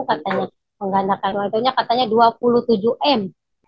katanya menggandakan waktunya katanya dua puluh tujuh m